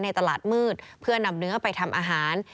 ตลาดมืดเพื่อนำเนื้อไปทำอาหาร